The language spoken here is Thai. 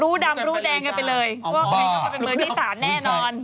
รู้ดำรู้แดงกันไปเลยเพราะว่าใครก็เป็นเมอร์ดี้สารแน่นอน